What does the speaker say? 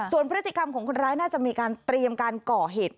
ส่วนพฤติกรรมของคนร้ายน่าจะมีการเตรียมการก่อเหตุ